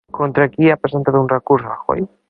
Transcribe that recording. Contra qui ha presentat un recurs Rajoy?